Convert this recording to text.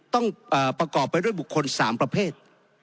ต้องประกอบไปด้วยบุคคล๓ประเภท